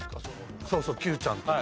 そうそうＱちゃんとか。